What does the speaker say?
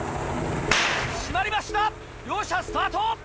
閉まりました両者スタート！